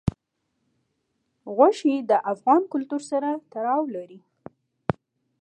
غوښې د افغان کلتور سره تړاو لري.